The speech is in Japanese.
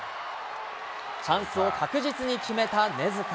チャンスを確実に決めた根塚。